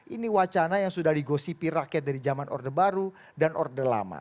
ini wacana yang sudah digosipi rakyat dari zaman orde baru dan orde lama